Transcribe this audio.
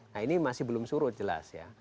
nah ini masih belum surut jelas ya